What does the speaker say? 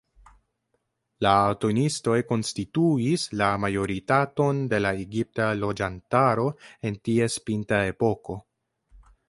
La atonistoj konstituis la majoritaton de la egipta loĝantaro en ties pinta epoko.